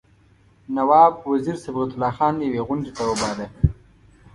نواب وزیر صبغت الله خان یوې غونډې ته وباله.